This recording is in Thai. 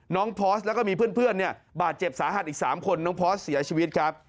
พอร์สแล้วก็มีเพื่อนเนี่ยบาดเจ็บสาหัสอีก๓คนน้องพอสเสียชีวิตครับ